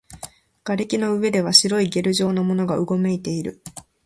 瓦礫の上では白いゲル状のものがうごめいている